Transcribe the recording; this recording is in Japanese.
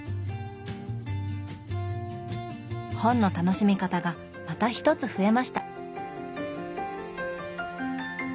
本の楽しみ方がまた一つ増えました。